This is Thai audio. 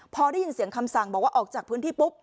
พอได้ยินเสียงคำสั่งบอกว่าออกจากพื้นที่ปุ๊บ